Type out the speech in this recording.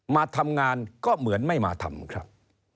มาทำงานก็เหมือนไม่มาทำครับ